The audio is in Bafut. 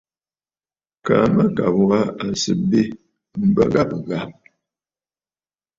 Kaa mâkàbə̀ wa à sɨ̀ bê m̀bə ghâbə̀ ghâbə̀.